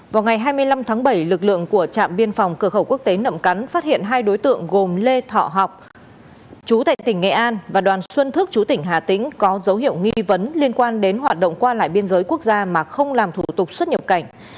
vào ngày hai mươi năm tháng bảy lực lượng của trạm biên phòng cửa khẩu quốc tế nậm cắn phát hiện hai đối tượng gồm lê thọ học chú tại tỉnh nghệ an và đoàn xuân thức chú tỉnh hà tĩnh có dấu hiệu nghi vấn liên quan đến hoạt động qua lại biên giới quốc gia mà không làm thủ tục xuất nhập cảnh